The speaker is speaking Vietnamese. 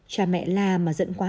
cha mẹ la mà giận quá